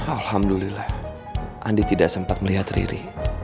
alhamdulillah andi tidak sempat melihat riri